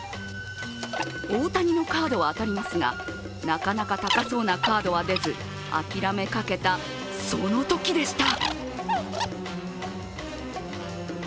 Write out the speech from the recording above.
大谷のカードは当たりますが、なかなか高そうなカードは出ず、諦めかけたそのときでした。